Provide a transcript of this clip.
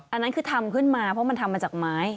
อันนั้นคือทำขึ้นมาเพราะมันทำมาจากไม้